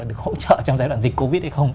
được hỗ trợ trong giai đoạn dịch covid hay không